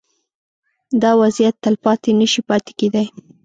دا وضعیت تلپاتې نه شي پاتې کېدای.